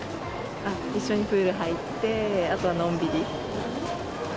一緒にプール入って、のんびり。